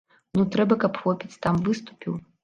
Ну трэба, каб хлопец там выступіў.